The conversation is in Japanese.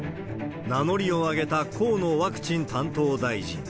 名乗りを上げた河野ワクチン担当大臣。